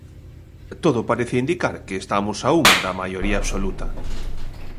Todo parece indicar que estamos a un da maioría absoluta.